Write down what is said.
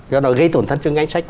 do đó gây tổn thất cho ngân sách